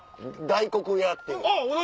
大黒屋っていう。